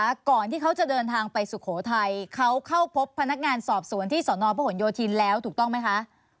ก่อนที่เขาจะเดินทางไปสุโขทัยเขาเข้าพบพนักงานสอบสวนที่สนพระหลโยธินแล้วถูกต้องไหมคะ